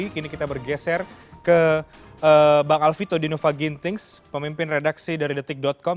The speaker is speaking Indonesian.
kini kita bergeser ke bang alvito dinova gintings pemimpin redaksi dari detik com